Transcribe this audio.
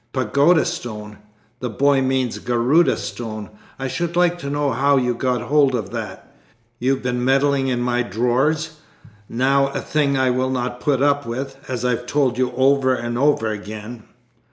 "Pagoda stone? The boy means Garudâ Stone. I should like to know how you got hold of that; you've been meddling in my drawers, now, a thing I will not put up with, as I've told you over and over again."